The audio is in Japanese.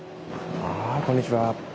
あこんにちは。